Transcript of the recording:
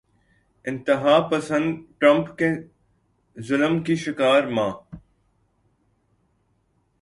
انتہا پسند ٹرمپ کے ظلم کی شکار ماں